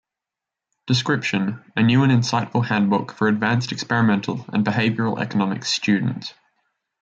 Description: A new and insightful handbook for advanced experimental and behavioral economics students.